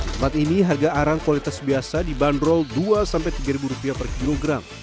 tempat ini harga arang kualitas biasa dibanderol dua tiga ribu rupiah per kilogram